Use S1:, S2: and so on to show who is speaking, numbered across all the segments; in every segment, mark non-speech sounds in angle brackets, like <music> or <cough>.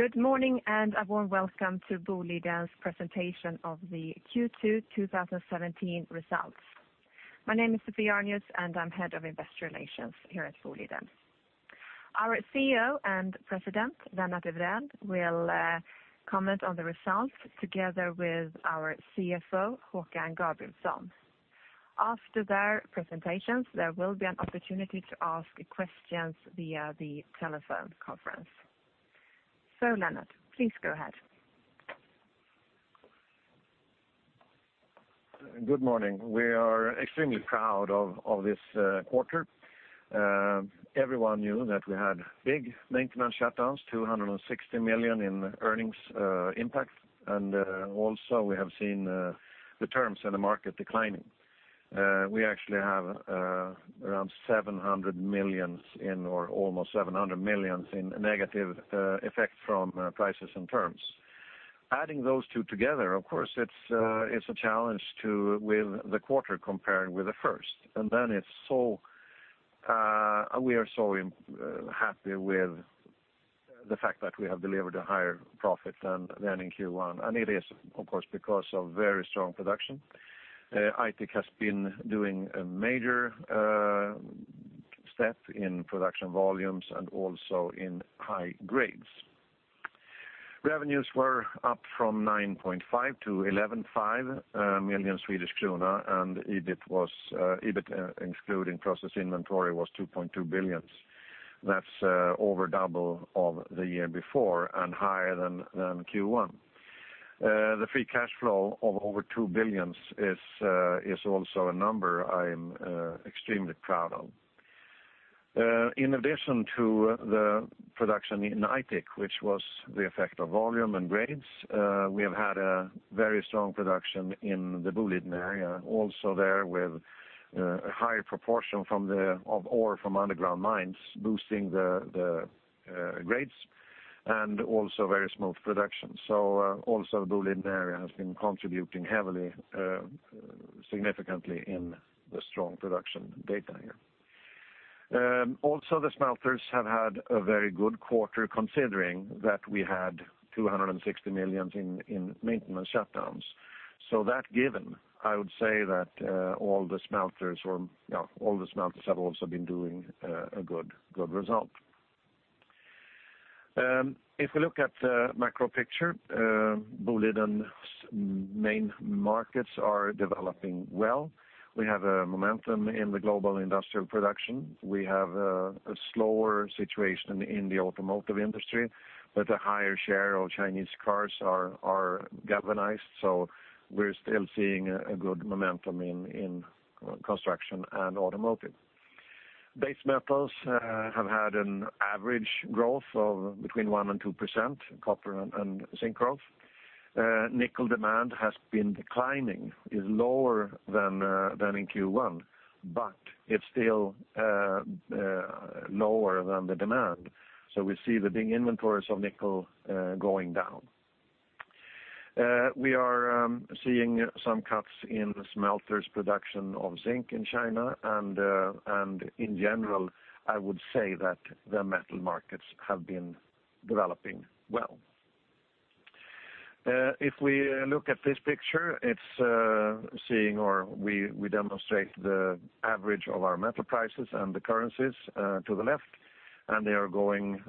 S1: Good morning. A warm welcome to Boliden's presentation of the Q2 2017 results. My name is Sophie Arnius, and I'm Head of Investor Relations here at Boliden. Our CEO and President, Lennart Evrell, will comment on the results together with our CFO, Håkan Gabrielsson. After their presentations, there will be an opportunity to ask questions via the telephone conference. Lennart, please go ahead.
S2: Good morning. We are extremely proud of this quarter. Everyone knew that we had big maintenance shutdowns, 260 million in earnings impact. Also, we have seen the terms in the market declining. We actually have around 700 million, or almost 700 million in negative effect from prices and terms. Adding those two together, of course, it's a challenge with the quarter comparing with the first. We are so happy with the fact that we have delivered a higher profit than in Q1. It is, of course, because of very strong production. Aitik has been doing a major step in production volumes and also in high grades. Revenues were up from 9.5 million Swedish krona to 11.5 million Swedish krona, and EBIT, excluding process inventory, was 2.2 billion. That's over double of the year before and higher than Q1. The free cash flow of over 2 billion is also a number I'm extremely proud of. In addition to the production in Aitik, which was the effect of volume and grades, we have had a very strong production in the Boliden Area, also there with a higher proportion of ore from underground mines boosting the grades and also very smooth production. Also, Boliden Area has been contributing heavily, significantly in the strong production data here. Also, the smelters have had a very good quarter considering that we had 260 million in maintenance shutdowns. That given, I would say that all the smelters have also been doing a good result. If we look at the macro picture, Boliden's main markets are developing well. We have a momentum in the global industrial production. We have a slower situation in the automotive industry. A higher share of Chinese cars are galvanized, so we're still seeing a good momentum in construction and automotive. Base metals have had an average growth of between 1% and 2%, copper and zinc growth. nickel demand has been declining, is lower than in Q1, but it's still lower than the demand. We see the big inventories of nickel going down. We are seeing some cuts in smelters production of zinc in China. In general, I would say that the metal markets have been developing well. If we look at this picture, we demonstrate the average of our metal prices and the currencies to the left, and they are going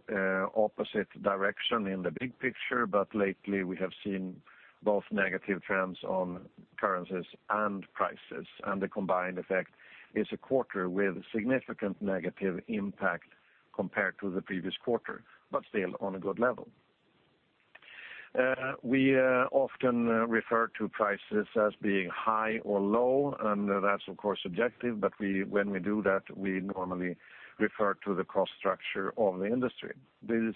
S2: opposite direction in the big picture, but lately we have seen both negative trends on currencies and prices, and the combined effect is a quarter with significant negative impact compared to the previous quarter, but still on a good level. We often refer to prices as being high or low, and that's of course subjective, but when we do that, we normally refer to the cost structure of the industry. These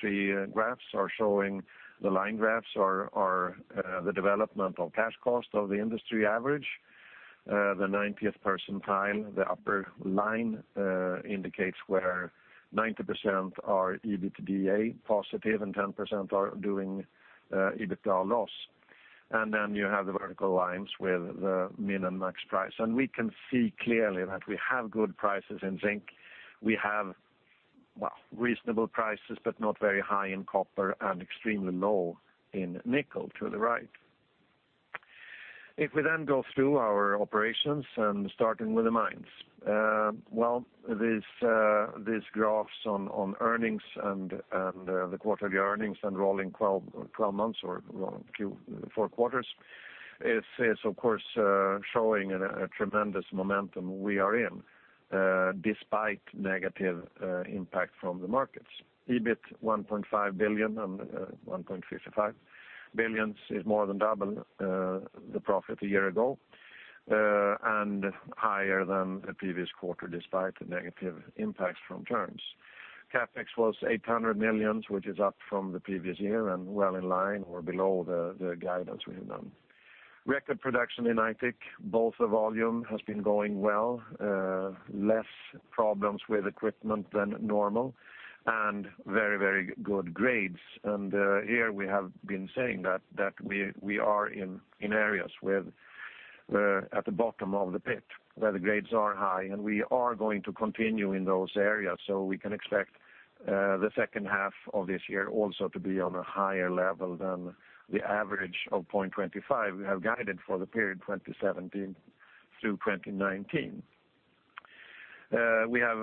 S2: three graphs are showing the line graphs or the development of cash cost of the industry average. The 90th percentile, the upper line, indicates where 90% are EBITDA positive and 10% are doing EBITDA loss. Then you have the vertical lines with the min and max price. We can see clearly that we have good prices in zinc. We have reasonable prices but not very high in copper and extremely low in nickel to the right. If we then go through our operations and starting with the mines. Well, these graphs on earnings and the quarterly earnings and rolling 12 months or four quarters is of course showing a tremendous momentum we are in despite negative impact from the markets. EBIT 1.5 billion and 1.55 billion is more than double the profit a year ago, and higher than the previous quarter despite the negative impacts from terms. CapEx was 800 million, which is up from the previous year and well in line or below the guidance we have done. Record production in Aitik, both the volume has been going well, less problems with equipment than normal and very good grades. Here we have been saying that we are in areas with at the bottom of the pit, where the grades are high, and we are going to continue in those areas, so we can expect the second half of this year also to be on a higher level than the average of 0.25 we have guided for the period 2017 through 2019. We have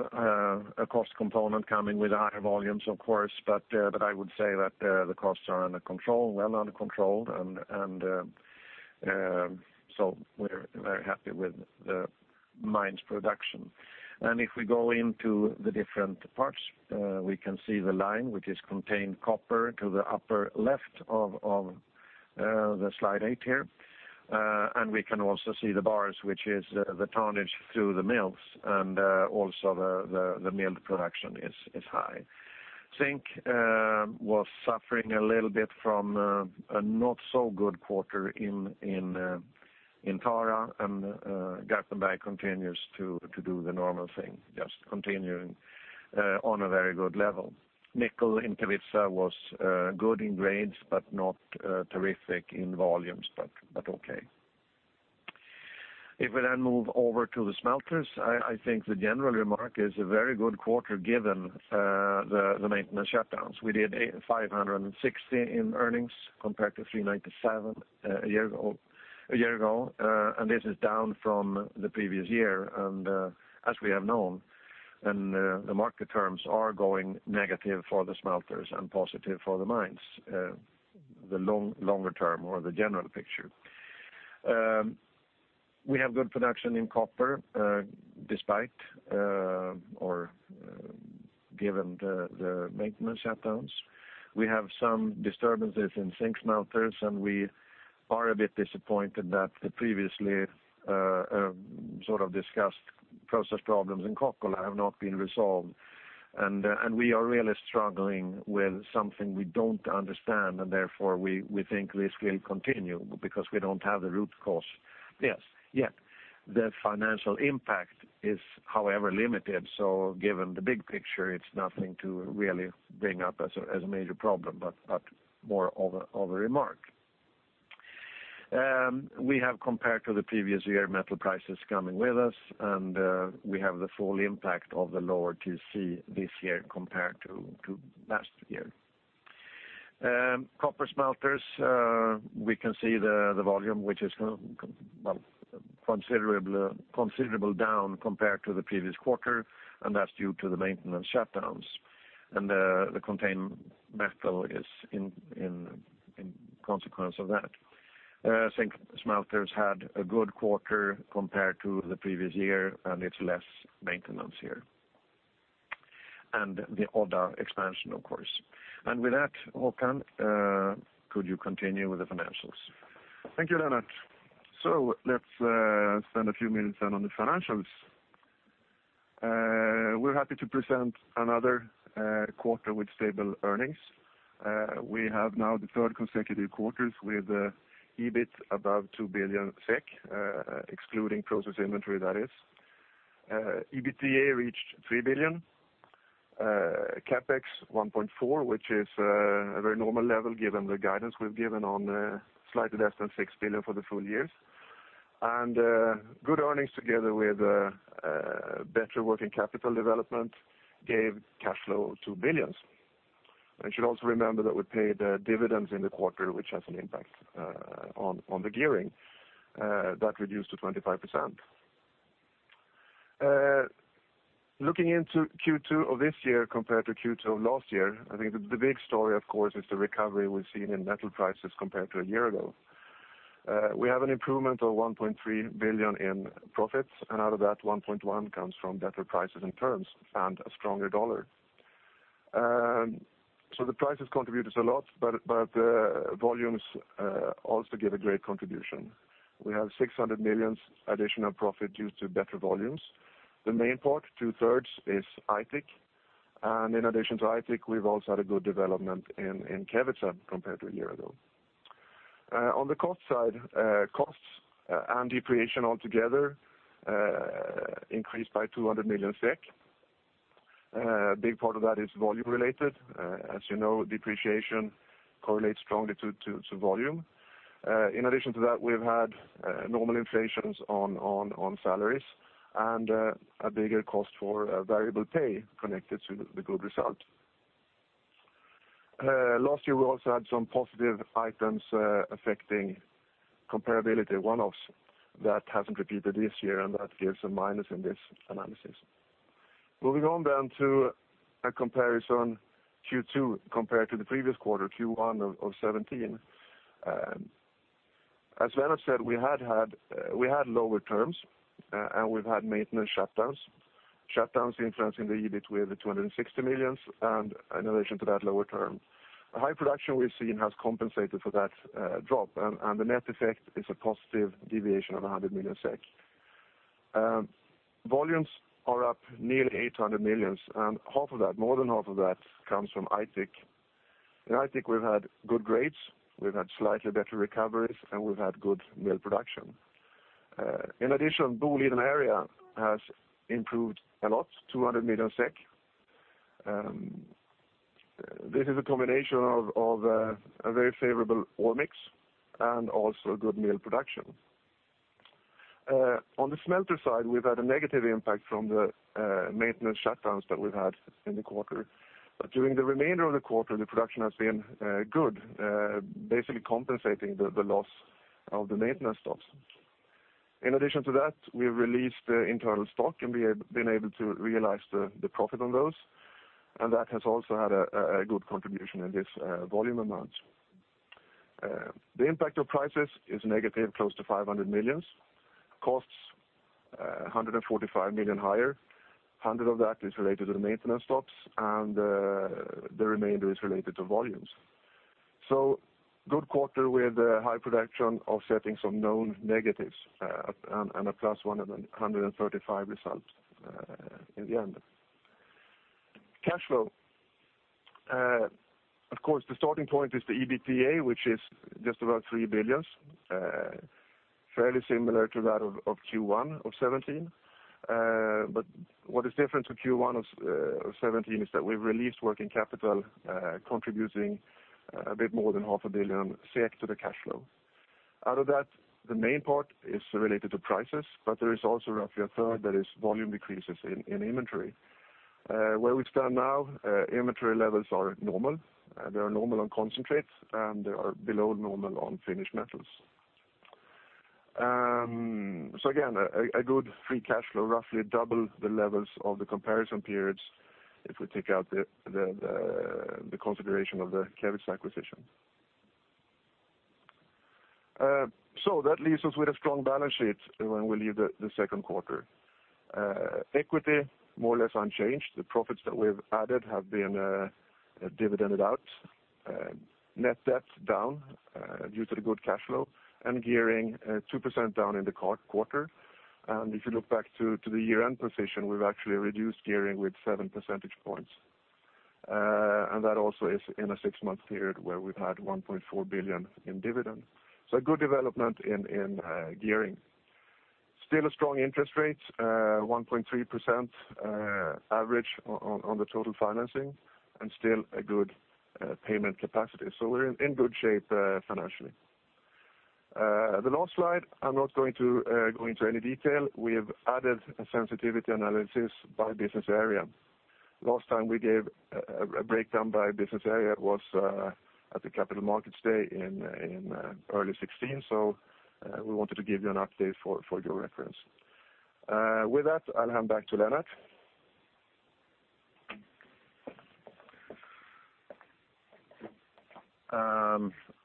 S2: a cost component coming with higher volumes, of course, but I would say that the costs are under control, well under control, and so we're very happy with the mine's production. If we go into the different parts, we can see the line, which is contained copper to the upper left of the slide eight here. We can also see the bars, which is the tonnage through the mills, and also the mill production is high. Zinc was suffering a little bit from a not so good quarter in Tara, and Garpenberg continues to do the normal thing, just continuing on a very good level. nickel in Kevitsa was good in grades, but not terrific in volumes, but okay. If we then move over to the smelters, I think the general remark is a very good quarter given the maintenance shutdowns. We did 560 million in earnings compared to 397 million a year ago, and this is down from the previous year. As we have known, the market terms are going negative for the smelters and positive for the mines, the longer term or the general picture. We have good production in copper despite or given the maintenance shutdowns. We have some disturbances in zinc smelters. We are a bit disappointed that the previously sort of discussed process problems in Kokkola have not been resolved. We are really struggling with something we don't understand. Therefore, we think this will continue because we don't have the root cause yet. The financial impact is, however, limited. Given the big picture, it's nothing to really bring up as a major problem, but more of a remark. We have compared to the previous year metal prices coming with us. We have the full impact of the lower TC this year compared to last year. Copper smelters, we can see the volume, which is considerably down compared to the previous quarter. That's due to the maintenance shutdowns. The contained metal is in consequence of that. Zinc smelters had a good quarter compared to the previous year. It's less maintenance here. The Odda expansion, of course. With that, Håkan, could you continue with the financials?
S3: Thank you, Lennart. Let's spend a few minutes then on the financials. We're happy to present another quarter with stable earnings. We have now the 3rd consecutive quarters with EBIT above 2 billion SEK, excluding process inventory, that is. EBITDA reached 3 billion. CapEx 1.4 billion, which is a very normal level given the guidance we've given on slightly less than 6 billion for the full year. Good earnings together with better working capital development gave cash flow 2 billion. You should also remember that we paid the dividends in the quarter, which has an impact on the gearing. That reduced to 25%. Looking into Q2 of this year compared to Q2 of last year, I think the big story, of course, is the recovery we've seen in metal prices compared to a year ago. We have an improvement of 1.3 billion in profits. Out of that, 1.1 billion comes from better prices and terms and a stronger dollar. The prices contributed a lot. Volumes also give a great contribution. We have 600 million additional profit due to better volumes. The main part, two-thirds, is Aitik. In addition to Aitik, we've also had a good development in Kevitsa compared to a year ago. On the cost side, costs and depreciation altogether increased by 200 million SEK. A big part of that is volume related. As you know, depreciation correlates strongly to volume. In addition to that, we've had normal inflations on salaries and a bigger cost for variable pay connected to the good result. Last year, we also had some positive items affecting comparability, one-offs that hasn't repeated this year. That gives a minus in this analysis. Moving on to a comparison Q2 compared to the previous quarter, Q1 of 2017. As Lennart said, we had lower terms, and we've had maintenance shutdowns. Shutdowns influencing the EBIT with 260 million, and in addition to that, lower term. The high production we've seen has compensated for that drop, and the net effect is a positive deviation of 100 million SEK. Volumes are up nearly 800 million, and more than half of that comes from Aitik. In Aitik we've had good grades, we've had slightly better recoveries, and we've had good mill production. In addition, Boliden Area has improved a lot, 200 million. This is a combination of a very favorable ore mix and also a good mill production. On the smelter side, we've had a negative impact from the maintenance shutdowns that we've had in the quarter. During the remainder of the quarter, the production has been good, basically compensating the loss of the maintenance stops. In addition to that, we've released the internal stock and been able to realize the profit on those, and that has also had a good contribution in this volume amount. The impact of prices is negative, close to 500 million. Costs, 145 million higher. 100 of that is related to the maintenance stops, and the remainder is related to volumes. Good quarter with high production offsetting some known negatives, and a plus 135 result in the end. Cash flow. Of course, the starting point is the EBITDA, which is just about 3 billion, fairly similar to that of Q1 of 2017. What is different to Q1 of 2017 is that we've released working capital, contributing a bit more than half a billion SEK to the cash flow. Out of that, the main part is related to prices, but there is also roughly a third that is volume decreases in inventory. Where we stand now, inventory levels are normal. They are normal on concentrates, and they are below normal on finished metals. Again, a good free cash flow, roughly double the levels of the comparison periods if we take out the consideration of the Kevitsa acquisition. That leaves us with a strong balance sheet when we leave the second quarter. Equity, more or less unchanged. The profits that we've added have been dividended out. Net debt, down due to the good cash flow and gearing 2% down in the quarter. If you look back to the year-end position, we've actually reduced gearing with 7 percentage points. That also is in a 6-month period where we've had 1.4 billion in dividend. A good development in gearing. Still a strong interest rate, 1.3% average on the total financing and still a good payment capacity. We're in good shape financially. The last slide, I'm not going to go into any detail. We have added a sensitivity analysis by business area. Last time we gave a breakdown by business area was at the Capital Markets Day in early 2016. We wanted to give you an update for your reference. With that, I'll hand back to Lennart.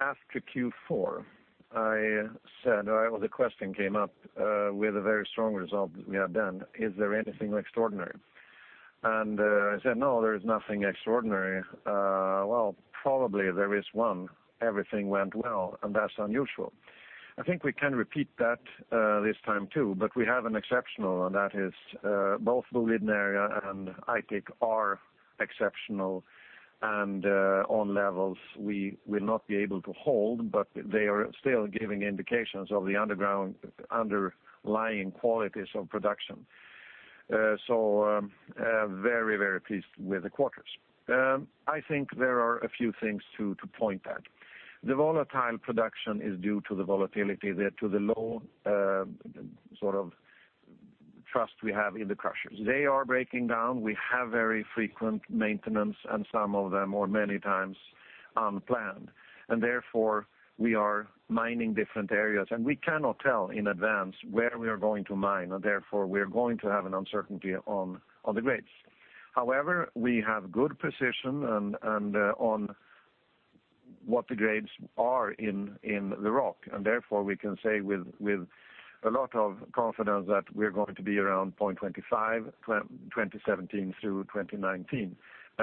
S2: After Q4, the question came up with a very strong result that we have done. Is there anything extraordinary? I said, "No, there is nothing extraordinary." Well, probably there is one. Everything went well, and that's unusual. I think we can repeat that this time too, but we have an exceptional, and that is both the Boliden Area and Aitik are exceptional and on levels we will not be able to hold, but they are still giving indications of the underlying qualities of production. I'm very pleased with the quarters. I think there are a few things to point at. The volatile production is due to the volatility there, to the low trust we have in the crushers. They are breaking down. We have very frequent maintenance, and some of them are many times unplanned. Therefore, we are mining different areas, and we cannot tell in advance where we are going to mine, and therefore, we are going to have an uncertainty on the grades. However, we have good precision on what the grades are in the rock, and therefore we can say with a lot of confidence that we're going to be around 0.25, 2017 through 2019.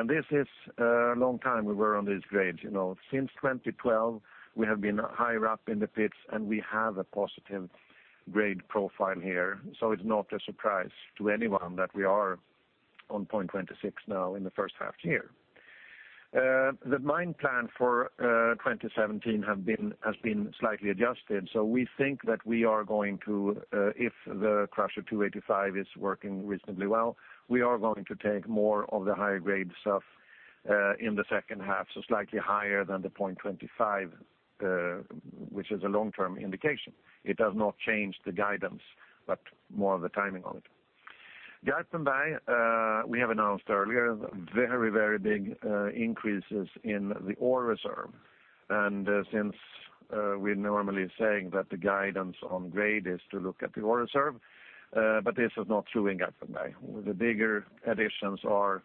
S2: This is a long time we were on these grades. Since 2012, we have been higher up in the pits, and we have a positive grade profile here. It's not a surprise to anyone that we are on 0.26 now in the first half year. The mine plan for 2017 has been slightly adjusted. We think that we are going to, if the crusher 285 is working reasonably well, we are going to take more of the higher grade stuff in the second half, so slightly higher than the 0.25, which is a long-term indication. It does not change the guidance, but more of the timing of it. Garpenberg, we have announced earlier, very big increases in the ore reserve. Since we're normally saying that the guidance on grade is to look at the ore reserve, but this is not true in Garpenberg. The bigger additions are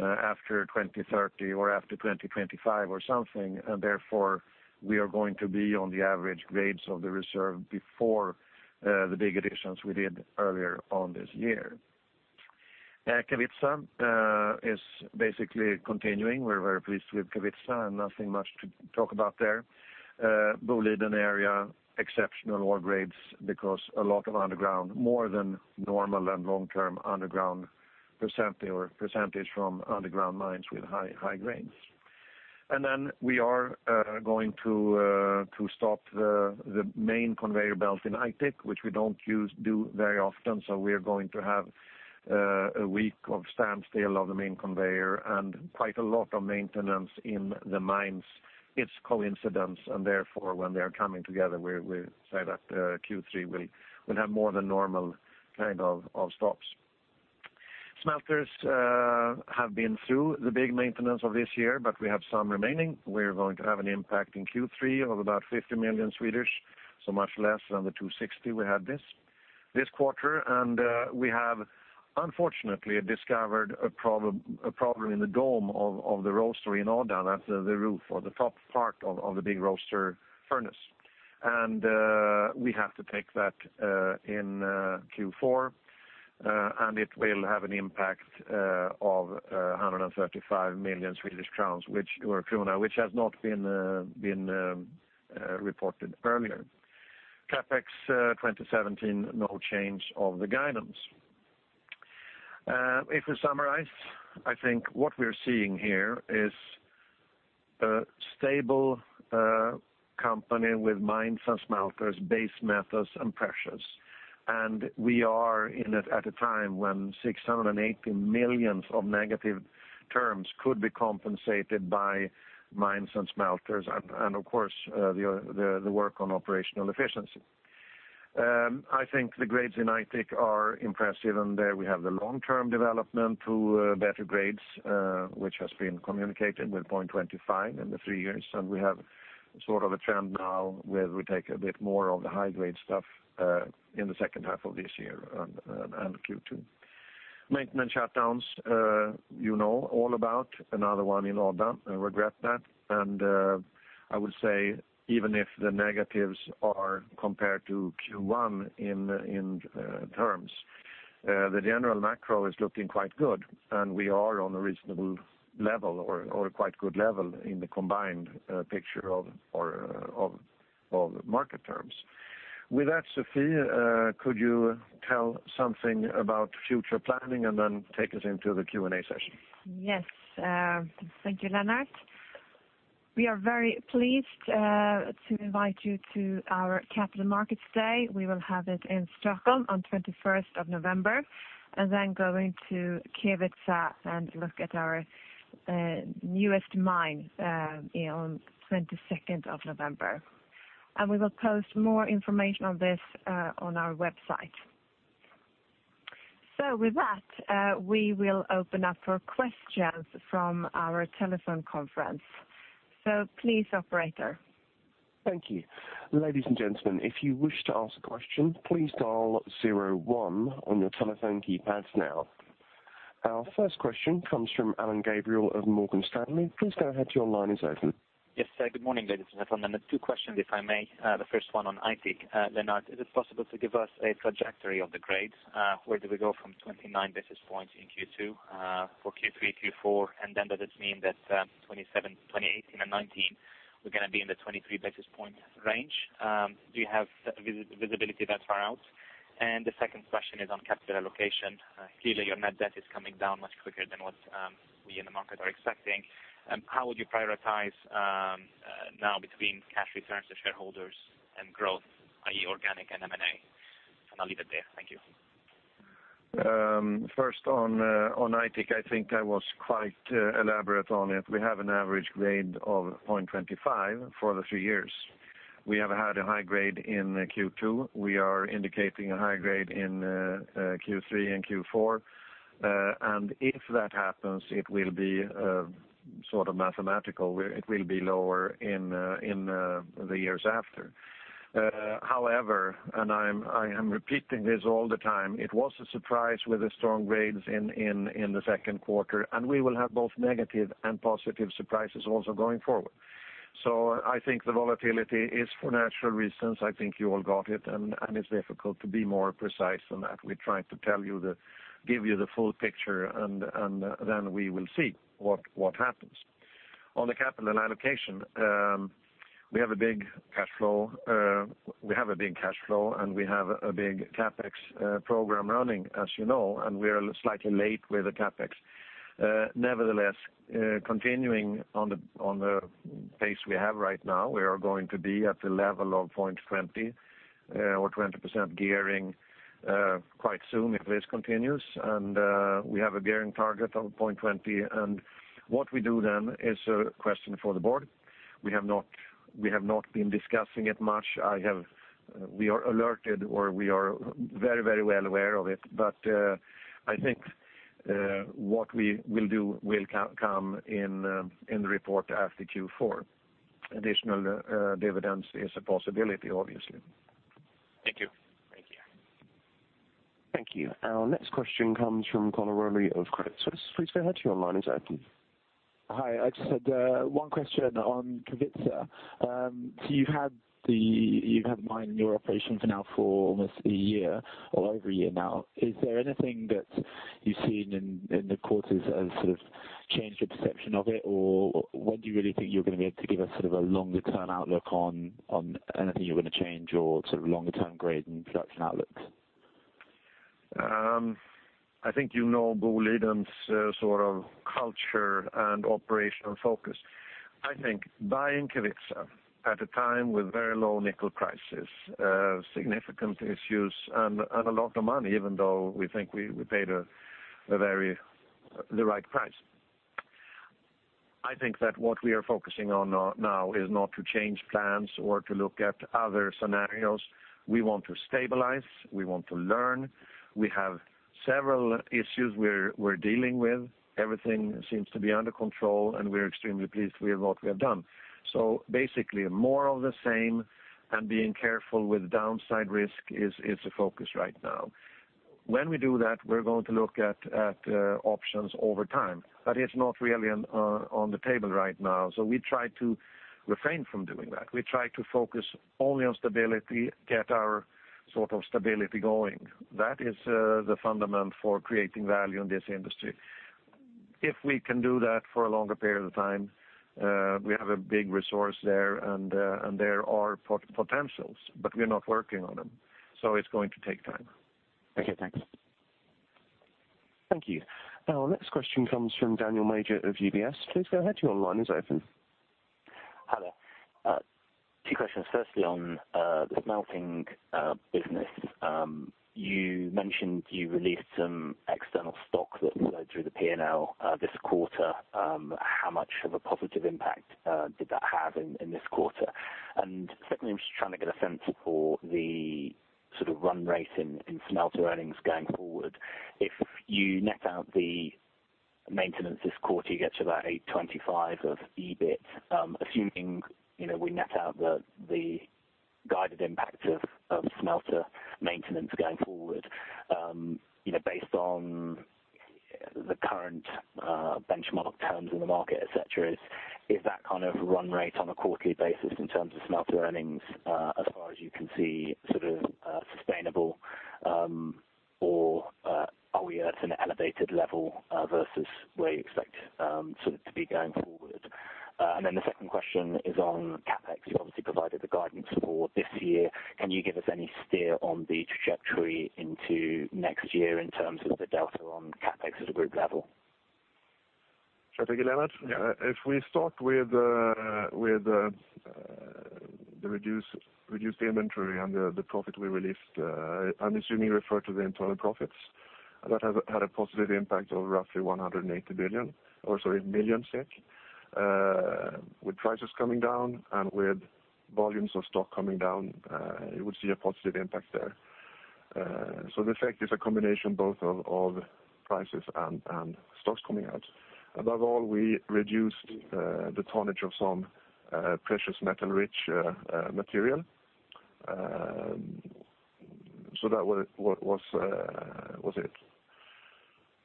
S2: after 2030 or after 2025 or something, and therefore we are going to be on the average grades of the reserve before the big additions we did earlier on this year. Kevitsa is basically continuing. We're very pleased with Kevitsa and nothing much to talk about there. Boliden Area, exceptional ore grades because a lot of underground, more than normal and long-term underground percentage from underground mines with high grades. Then we are going to stop the main conveyor belt in Aitik, which we don't use very often. We are going to have a week of standstill of the main conveyor and quite a lot of maintenance in the mines. It's coincidence, and therefore, when they are coming together, we say that Q3 will have more than normal kind of stops. Smelters have been through the big maintenance of this year, but we have some remaining. We're going to have an impact in Q3 of about 50 million, much less than the 260 we had this quarter. We have unfortunately discovered a problem in the dome of the roaster in Odda. That's the roof or the top part of the big roaster furnace. We have to take that in Q4, and it will have an impact of 135 million Swedish crowns, which has not been reported earlier. CapEx 2017, no change of the guidance. If we summarize, I think what we're seeing here is a stable company with mines and smelters, base metals and precious. We are in it at a time when 680 million of negative terms could be compensated by mines and smelters, and of course, the work on operational efficiency. I think the grades in Aitik are impressive, and there we have the long-term development to better grades, which has been communicated with 0.25 in the three years. We have sort of a trend now where we take a bit more of the high-grade stuff in the second half of this year and Q2. Maintenance shutdowns, you know all about. Another one in Odda. I regret that. I would say even if the negatives are compared to Q1 in terms, the general macro is looking quite good, and we are on a reasonable level or a quite good level in the combined picture of market terms. With that, Sophie, could you tell something about future planning and then take us into the Q&A session?
S1: Yes. Thank you, Lennart. We are very pleased to invite you to our Capital Markets Day. We will have it in Stockholm on 21st of November, and then going to Kevitsa and look at our newest mine on 22nd of November. We will post more information on this on our website. With that, we will open up for questions from our telephone conference. Please, operator.
S4: Thank you. Ladies and gentlemen, if you wish to ask a question, please dial 01 on your telephone keypads now. Our first question comes from Alain Gabriel of Morgan Stanley. Please go ahead, your line is open.
S5: Yes. Good morning, ladies and gentlemen. Two questions, if I may. The first one on Aitik. Lennart, is it possible to give us a trajectory of the grades? Where do we go from 29 basis points in Q2 for Q3, Q4? Does it mean that 2018 and 2019, we're going to be in the 23 basis point range? Do you have visibility that far out? The second question is on capital allocation. Clearly, your net debt is coming down much quicker than what we in the market are expecting. How would you prioritize now between cash returns to shareholders and growth, i.e., organic and M&A? I'll leave it there. Thank you.
S2: First on Aitik, I think I was quite elaborate on it. We have an average grade of 0.25 for the three years. We have had a high grade in Q2. We are indicating a high grade in Q3 and Q4. If that happens, it will be sort of mathematical, it will be lower in the years after. However, and I am repeating this all the time, it was a surprise with the strong grades in the second quarter, and we will have both negative and positive surprises also going forward. I think the volatility is for natural reasons. I think you all got it, and it's difficult to be more precise than that. We're trying to give you the full picture, and then we will see what happens. On the capital allocation, we have a big cash flow, and we have a big CapEx program running, as you know, and we are slightly late with the CapEx. Nevertheless, continuing on the pace we have right now, we are going to be at the level of 0.20 or 20% gearing quite soon if this continues, and we have a gearing target of 0.20. What we do then is a question for the board. We have not been discussing it much. We are alerted, or we are very well aware of it, but I think what we will do will come in the report after Q4. Additional dividends is a possibility, obviously.
S5: Thank you.
S4: Thank you. Our next question comes from Connor Rowley of Credit Suisse. Please go ahead, your line is open.
S6: Hi. I just had one question on Kevitsa. You've had the mine in your operation now for almost a year, or over a year now. Is there anything that you've seen in the quarters that has sort of changed your perception of it, or when do you really think you're going to be able to give us sort of a longer-term outlook on anything you're going to change or sort of longer-term grade and production outlooks?
S2: I think you know Boliden's culture and operational focus. I think buying Kevitsa at a time with very low nickel prices, significant issues and a lot of money, even though we think we paid the right price. I think that what we are focusing on now is not to change plans or to look at other scenarios. We want to stabilize, we want to learn. We have several issues we're dealing with. Everything seems to be under control, and we're extremely pleased with what we have done. Basically, more of the same and being careful with downside risk is the focus right now. When we do that, we're going to look at options over time, but it's not really on the table right now. We try to refrain from doing that. We try to focus only on stability, get our stability going. That is the fundament for creating value in this industry. If we can do that for a longer period of time, we have a big resource there, and there are potentials, but we're not working on them, so it's going to take time.
S6: Okay, thanks.
S4: Thank you. Our next question comes from Daniel Major of UBS. Please go ahead, your line is open.
S7: Hello. Two questions. Firstly, on the smelting business. You mentioned you released some external stock that flowed through the P&L this quarter. How much of a positive impact did that have in this quarter? Secondly, I'm just trying to get a sense for the run rate in smelter earnings going forward. If you net out the maintenance this quarter, you get to about 825 of EBIT. Assuming we net out the guided impact of smelter maintenance going forward based on the current benchmark terms in the market, et cetera, is that kind of run rate on a quarterly basis in terms of smelter earnings, as far as you can see, sustainable? Or are we at an elevated level versus where you expect to be going forward? The second question is on CapEx. You obviously provided the guidance for this year. Can you give us any steer on the trajectory into next year in terms of the delta on CapEx at a group level?
S3: Shall I take it, Lennart?
S2: Yeah. If we start with the reduced inventory and the profit we released, I am assuming you refer to the internal profits that have had a positive impact of roughly 180 million SEK. With prices coming down and with volumes of stock coming down, you would see a positive impact there. The effect is a combination both of prices and stocks coming out. Above all, we reduced the tonnage of some precious metal-rich material. That was it.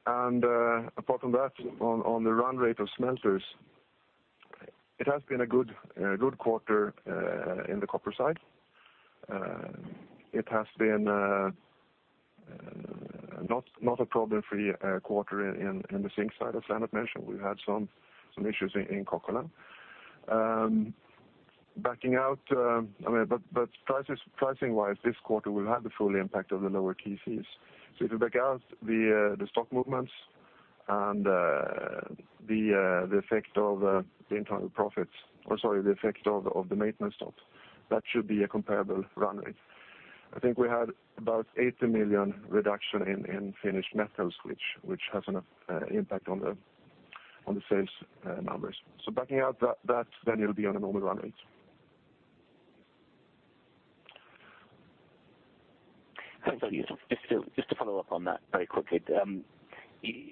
S2: Apart from that, on the run rate of smelters, it has been a good quarter in the copper side. It has been not a problem-free quarter in the zinc side, as Lennart mentioned. We have had some issues in Kokkola. Pricing-wise, this quarter will have the full impact of the lower TC fees.
S3: If you back out the stock movements and the effect of the internal profits, or, sorry, the effect of the maintenance stops, that should be a comparable run rate. I think we had about 80 million reduction in finished metals, which has an impact on the sales numbers. Backing out that, then it will be on a normal run rate.
S7: Thanks. Just to follow up on that very quickly.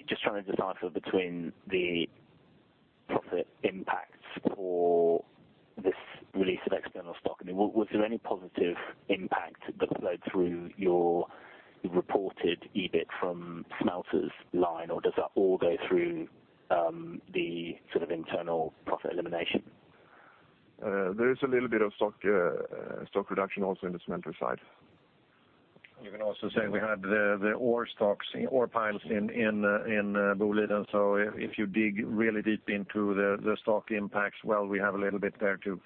S7: Just trying to decipher between the profit impacts for this release of external stock. Was there any positive impact that flowed through your reported EBIT from smelters line, or does that all go through the internal profit elimination?
S3: There is a little bit of stock reduction also in the smelter side.
S2: You can also say we had the ore stocks, ore piles in Boliden. If you dig really deep into the stock impacts, well, we have a little bit there, too.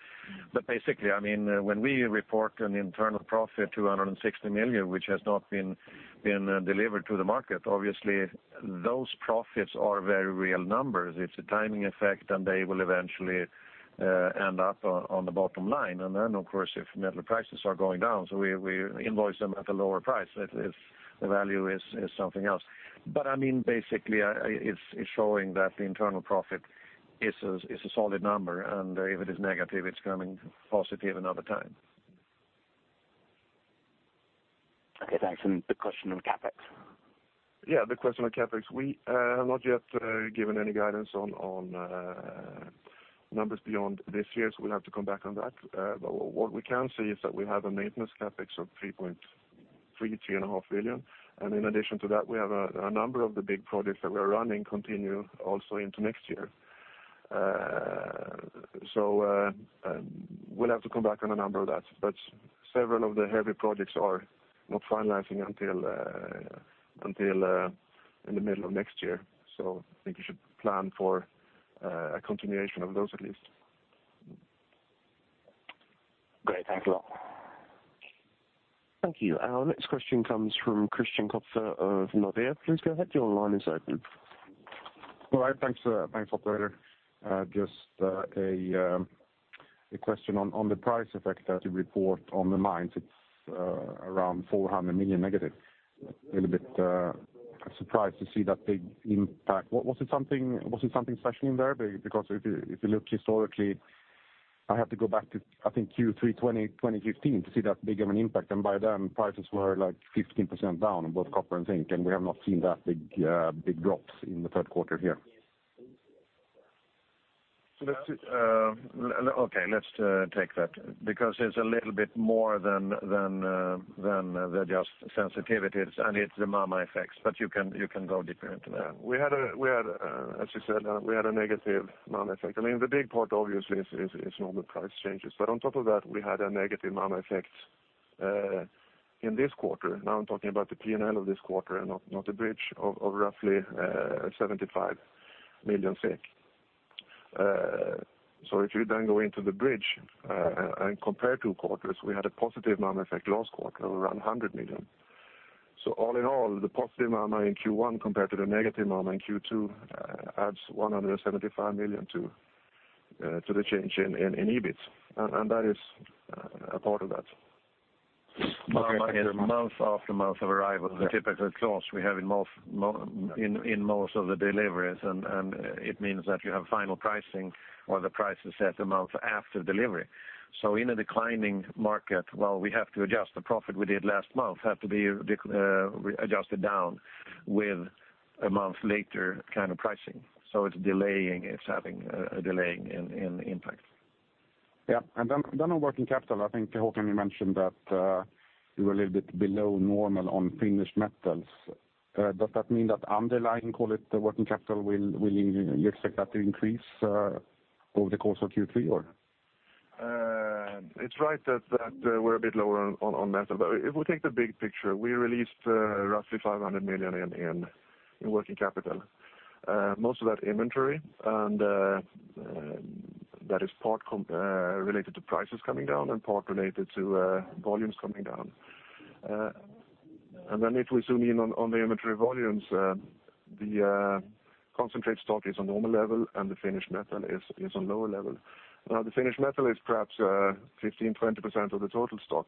S2: Basically, when we report an internal profit 260 million, which has not been delivered to the market, obviously those profits are very real numbers. It's a timing effect, and they will eventually end up on the bottom line. Then, of course, if metal prices are going down, we invoice them at a lower price, the value is something else. Basically, it's showing that the internal profit is a solid number, and if it is negative, it's coming positive another time.
S7: Okay, thanks. The question on CapEx.
S3: Yeah, the question on CapEx. We have not yet given any guidance on numbers beyond this year, we'll have to come back on that. What we can say is that we have a maintenance CapEx of 3.3 billion-3.5 billion. In addition to that, we have a number of the big projects that we're running continue also into next year. We'll have to come back on a number of that. Several of the heavy projects are not finalizing until in the middle of next year. I think you should plan for a continuation of those at least.
S7: Okay, thanks a lot.
S4: Thank you. Our next question comes from Christian Kofler of Nordea. Please go ahead. Your line is open.
S8: All right. Thanks operator. Just a question on the price effect that you report on the mines. It's around 400 million negative. A little bit surprised to see that big impact. Was it something special in there? Because if you look historically, I have to go back to, I think Q3 2015 to see that big of an impact, and by then prices were 15% down on both copper and zinc, and we have not seen that big drops in the third quarter here.
S2: Okay, let's take that because it's a little bit more than just sensitivities, and it's the MAMA effects. You can go deeper into that.
S3: As you said, we had a negative MAMA effect. I mean, the big part obviously is normal price changes. On top of that, we had a negative MAMA effect, in this quarter, now I am talking about the P&L of this quarter and not the bridge, of roughly 75 million. If you then go into the bridge, and compare two quarters, we had a positive MAMA effect last quarter of around 100 million. All in all, the positive MAMA in Q1 compared to the negative MAMA in Q2, adds 175 million to the change in EBIT. That is a part of that.
S2: MAMA is month after month of arrival, the typical clause we have in most of the deliveries, it means that you have final pricing or the price is set a month after delivery. In a declining market, well, we have to adjust the profit we did last month, have to be adjusted down with a month later kind of pricing. It is having a delaying impact.
S8: Yeah. Then on working capital, I think Håkan, you mentioned that you were a little bit below normal on finished metals. Does that mean that underlying, call it, working capital, will you expect that to increase, over the course of Q3, or?
S3: It is right that we are a bit lower on metal. If we take the big picture, we released roughly 500 million in working capital. Most of that inventory, that is part related to prices coming down and part related to volumes coming down. Then if we zoom in on the inventory volumes, the concentrate stock is on normal level and the finished metal is on lower level. The finished metal is perhaps 15%-20% of the total stock.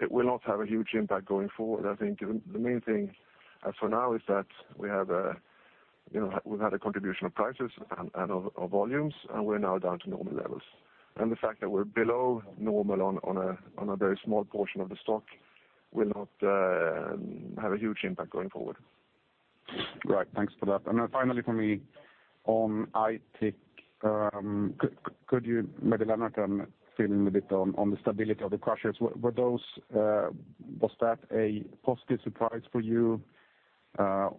S3: It will not have a huge impact going forward. I think the main thing as for now is that we have had a contribution of prices and of volumes, we are now down to normal levels. The fact that we are below normal on a very small portion of the stock will not have a huge impact going forward.
S8: Thanks for that. Finally from me on Aitik. Maybe Lennart can fill in a bit on the stability of the crushers. Was that a positive surprise for you? Have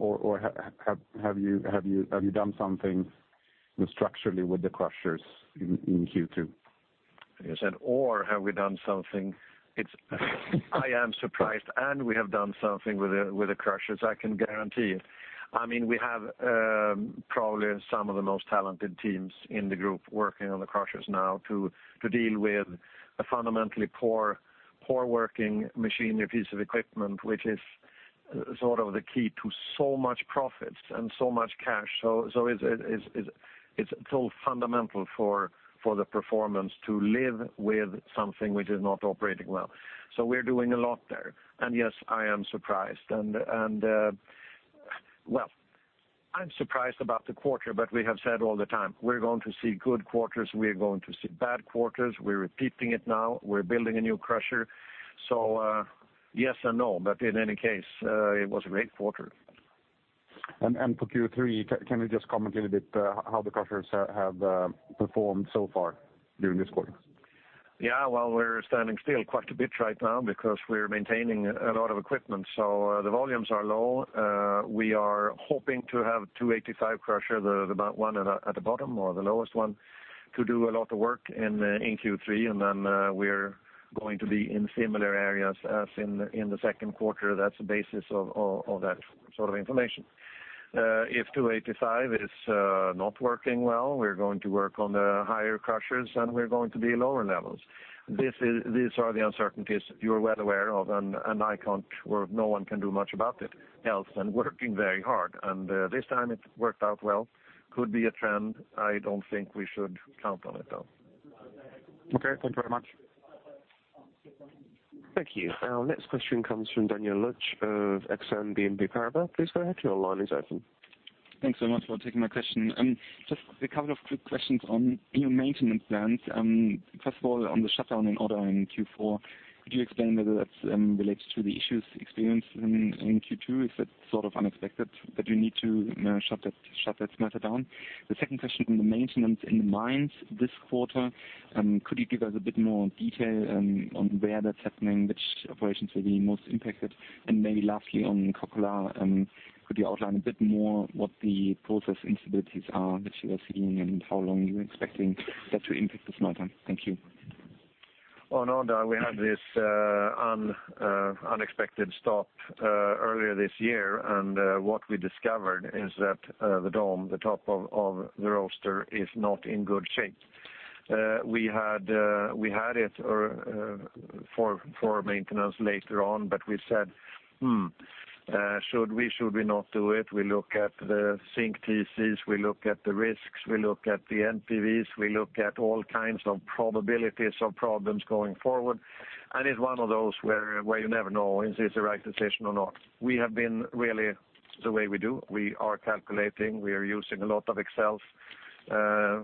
S8: you done something structurally with the crushers in Q2?
S2: You said, have we done something? I am surprised, and we have done something with the crushers, I can guarantee it. We have probably some of the most talented teams in the group working on the crushers now to deal with a fundamentally poor working machinery piece of equipment, which is sort of the key to so much profits and so much cash. It's still fundamental for the performance to live with something which is not operating well. We're doing a lot there. Yes, I am surprised. I'm surprised about the quarter, but we have said all the time, we're going to see good quarters, we're going to see bad quarters. We're repeating it now. We're building a new crusher. Yes and no, but in any case, it was a great quarter.
S8: For Q3, can you just comment a little bit how the crushers have performed so far during this quarter?
S2: We're standing still quite a bit right now because we're maintaining a lot of equipment. The volumes are low. We are hoping to have 285 crusher, the one at the bottom or the lowest one, to do a lot of work in Q3. We're going to be in similar areas as in the second quarter. That's the basis of that sort of information. If 285 is not working well, we're going to work on the higher crushers, and we're going to be at lower levels. These are the uncertainties that you're well aware of, and no one can do much about it else than working very hard. This time it worked out well. Could be a trend. I don't think we should count on it, though.
S8: Okay. Thank you very much.
S4: Thank you. Our next question comes from Daniel Lösch of Exane BNP Paribas. Please go ahead. Your line is open.
S9: Thanks so much for taking my question. Just a couple of quick questions on your maintenance plans. First of all, on the shutdown in Odda in Q4, could you explain whether that's related to the issues experienced in Q2? Is that sort of unexpected that you need to shut that smelter down? The second question on the maintenance in the mines this quarter, could you give us a bit more detail on where that's happening, which operations will be most impacted? Maybe lastly on Kokkola, could you outline a bit more what the process instabilities are that you are seeing and how long you're expecting that to impact the smelter? Thank you.
S2: On Odda, we had this unexpected stop earlier this year. What we discovered is that the dome, the top of the roaster is not in good shape. We had it for maintenance later on, we said, "Should we, should we not do it?" We look at the zinc TCs, we look at the risks, we look at the NPVs, we look at all kinds of probabilities of problems going forward. It's one of those where you never know is this the right decision or not? We have been really the way we do. We are calculating, we are using a lot of Excels,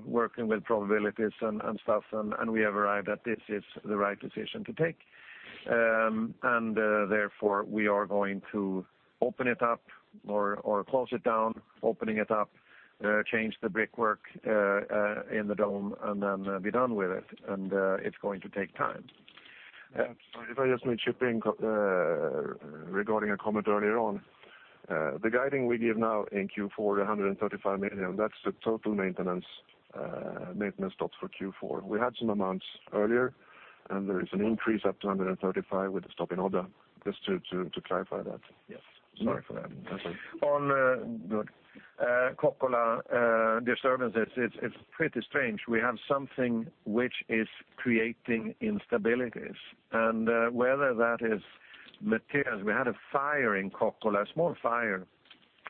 S2: working with probabilities and stuff, we have arrived at this is the right decision to take. Therefore, we are going to open it up or close it down, opening it up, change the brickwork in the dome and then be done with it. It's going to take time.
S3: If I just make shipping regarding a comment earlier on. The guiding we give now in Q4, the 135 million, that's the total maintenance stops for Q4. We had some amounts earlier, there is an increase up to 135 with the stop in Odda. Just to clarify that.
S2: Yes.
S3: Sorry for that.
S2: On Kokkola disturbances, it's pretty strange. We have something which is creating instabilities, and whether that is materials. We had a fire in Kokkola, a small fire,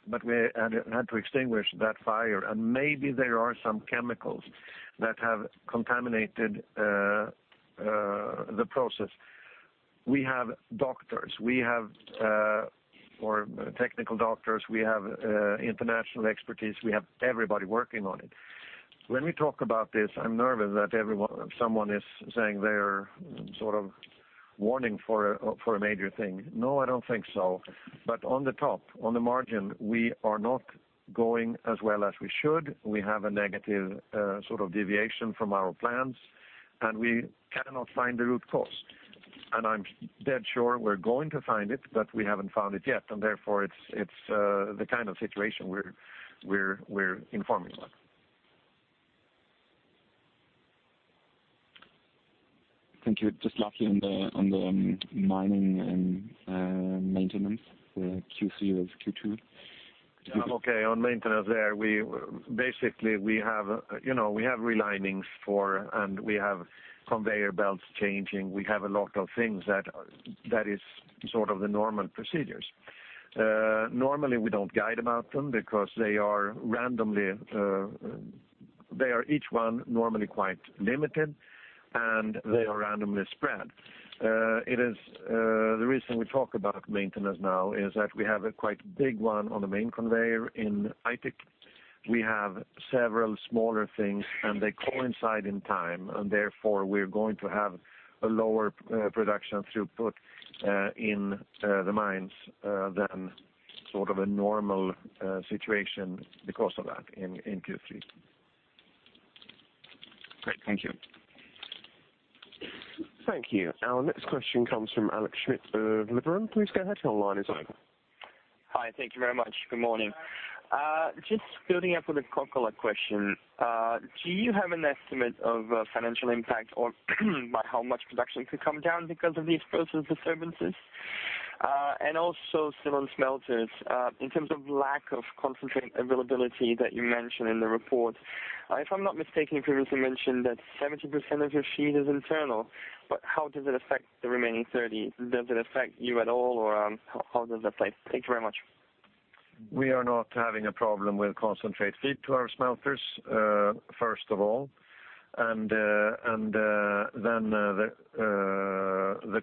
S2: but we had to extinguish that fire, and maybe there are some chemicals that have contaminated the process. We have doctors, we have technical doctors, we have international expertise. We have everybody working on it. When we talk about this, I'm nervous that someone is saying they're sort of warning for a major thing. No, I don't think so. On the top, on the margin, we are not going as well as we should. We have a negative deviation from our plans, and we cannot find the root cause. I'm dead sure we're going to find it, but we haven't found it yet, therefore, it's the kind of situation we're informing about.
S9: Thank you. Just lastly on the mining and maintenance for. <inaudible>
S2: Okay, on maintenance there, basically we have re-linings for, and we have conveyor belts changing. We have a lot of things that is the normal procedures. Normally, we don't guide about them because they are each one normally quite limited, and they are randomly spread. The reason we talk about maintenance now is that we have a quite big one on the main conveyor in Aitik. We have several smaller things, and they coincide in time, and therefore, we're going to have a lower production throughput in the mines than a normal situation because of that in Q3.
S9: Great. Thank you.
S4: Thank you. Our next question comes from Alex Hales of Liberum. Please go ahead, your line is open.
S10: Hi, thank you very much. Good morning. Just building up on the Kokkola question. Do you have an estimate of financial impact or by how much production could come down because of these process disturbances? Still on smelters, in terms of lack of concentrate availability that you mentioned in the report. If I'm not mistaken, you previously mentioned that 70% of your feed is internal, how does it affect the remaining 30? Does it affect you at all, or how does that play? Thank you very much.
S2: We are not having a problem with concentrate feed to our smelters, first of all. The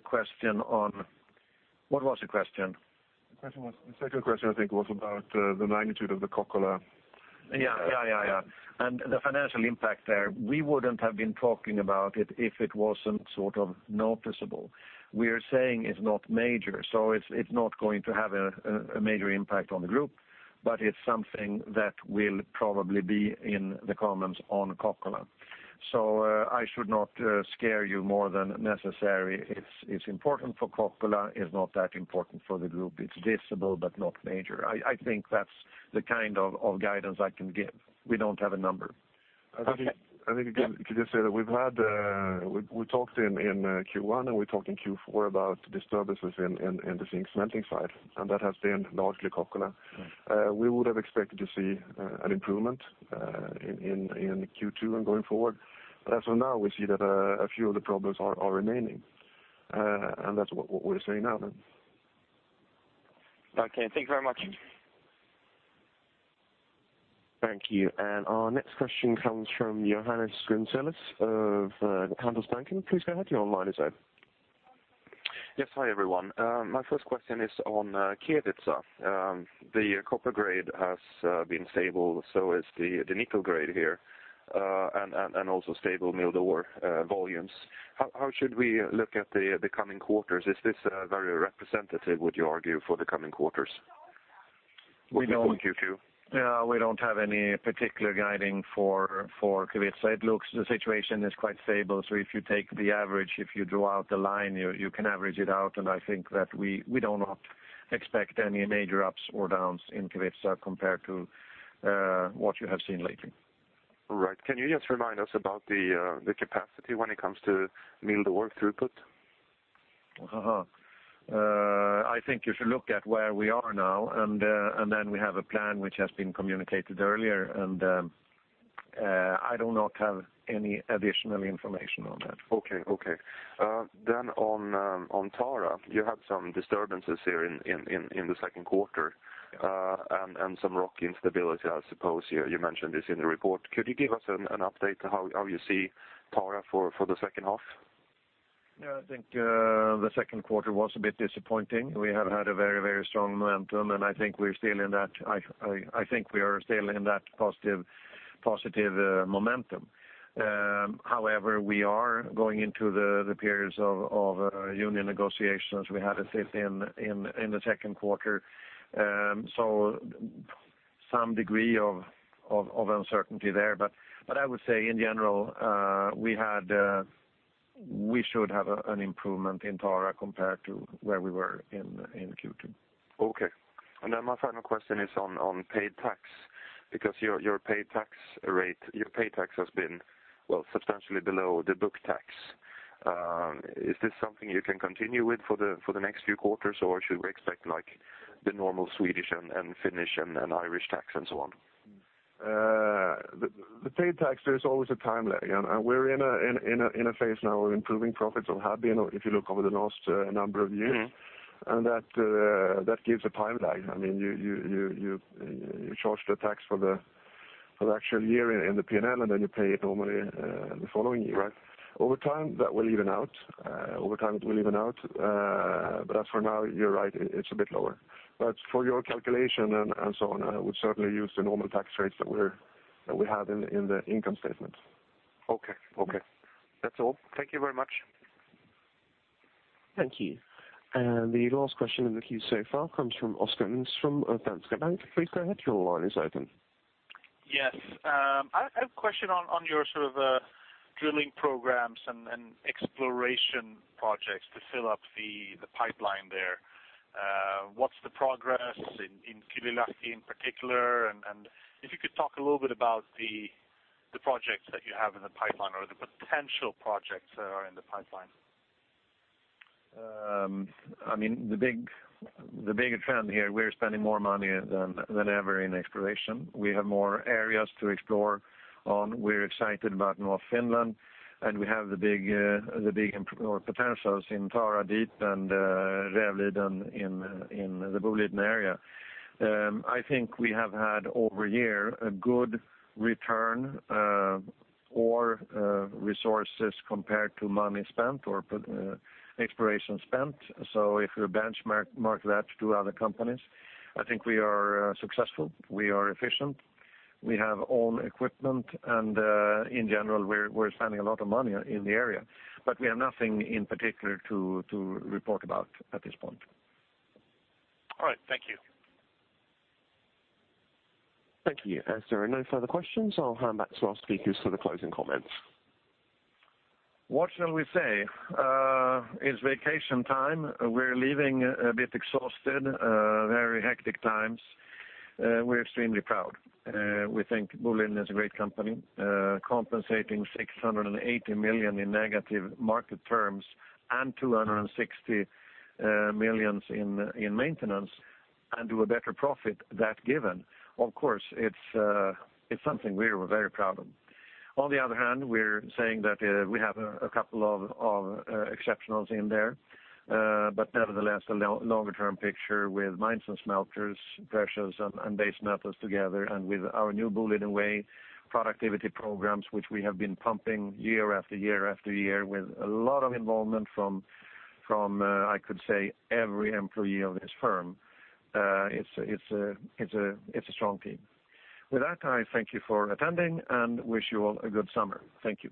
S2: question-- What was the question?
S3: The second question, I think, was about the magnitude of the Kokkola-
S2: Yeah. The financial impact there. We wouldn't have been talking about it if it wasn't noticeable. We are saying it's not major, so it's not going to have a major impact on the group, but it's something that will probably be in the comments on Kokkola. I should not scare you more than necessary. It's important for Kokkola, it's not that important for the group. It's visible, but not major. I think that's the kind of guidance I can give. We don't have a number.
S3: I think you could just say that we talked in Q1, and we talked in Q4 about disturbances in the zinc smelting side, and that has been largely Kokkola. We would have expected to see an improvement in Q2 and going forward. As of now, we see that a few of the problems are remaining. That's what we're saying now then.
S10: Okay, thank you very much.
S4: Thank you. Our next question comes from Johannes Grunselius of Handelsbanken. Please go ahead, your line is open.
S11: Yes. Hi, everyone. My first question is on Kevitsa. The copper grade has been stable, so has the nickel grade here, and also stable milled ore volumes. How should we look at the coming quarters? Is this very representative, would you argue, for the coming quarters? Looking forward to Q2.
S2: If you take the average, if you draw out the line, you can average it out, and I think that we do not expect any major ups or downs in Kevitsa compared to what you have seen lately.
S11: Right. Can you just remind us about the capacity when it comes to milled ore throughput?
S3: I think you should look at where we are now, and then we have a plan which has been communicated earlier, and I do not have any additional information on that.
S11: Okay. On Tara, you had some disturbances here in the second quarter, and some rock instability, I suppose. You mentioned this in the report. Could you give us an update on how you see Tara for the second half?
S3: Yeah, I think the second quarter was a bit disappointing. We have had a very strong momentum, I think we're still in that positive momentum. We are going into the periods of union negotiations we had, let's say, in the second quarter. Some degree of uncertainty there. I would say in general, we should have an improvement in EBITDA compared to where we were in Q2.
S11: Okay. My final question is on paid tax, because your paid tax rate, your paid tax has been substantially below the book tax. Is this something you can continue with for the next few quarters, or should we expect the normal Swedish and Finnish and Irish tax and so on?
S3: The paid tax, there's always a time lag. We're in a phase now of improving profits on Harjavalta, if you look over the last number of years. That gives a time lag. You charge the tax for the actual year in the P&L, you pay it normally the following year.
S11: Right.
S3: Over time, that will even out. As for now, you're right, it's a bit lower. For your calculation and so on, I would certainly use the normal tax rates that we have in the income statement.
S11: Okay. That's all. Thank you very much.
S4: Thank you. The last question in the queue so far comes from Oscar Thornell from Swedbank. Please go ahead, your line is open.
S12: Yes. I have a question on your drilling programs and exploration projects to fill up the pipeline there. What's the progress in Kilpisjärvi in particular? If you could talk a little bit about the projects that you have in the pipeline or the potential projects that are in the pipeline.
S3: The bigger trend here, we're spending more money than ever in exploration. We have more areas to explore on. We're excited about North Finland, and we have the big potentials in Tara Deep and Rävliden in the Boliden Area. I think we have had over a year, a good return on resources compared to money spent or exploration spent. If you benchmark that to other companies, I think we are successful, we are efficient. We have own equipment and, in general, we're spending a lot of money in the area. We have nothing in particular to report about at this point.
S12: All right. Thank you.
S4: Thank you. As there are no further questions, I'll hand back to our speakers for the closing comments.
S2: What shall we say? It's vacation time. We're leaving a bit exhausted, very hectic times. We're extremely proud. We think Boliden is a great company, compensating 680 million in negative market terms and 260 million in maintenance and do a better profit than given. Of course, it's something we're very proud of. On the other hand, we're saying that we have a couple of exceptionals in there. Nevertheless, the longer-term picture with mines and smelters, precious and base metals together, and with our new Boliden Way productivity programs which we have been pumping year after year after year with a lot of involvement from, I could say, every employee of this firm. It's a strong team. With that, I thank you for attending and wish you all a good summer. Thank you.